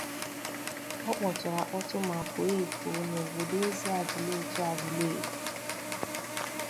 Ọ kpọtụrụ akpọtụ ma kwòó èkwòó n'obodo Eziagụlụ-Otu Agụleri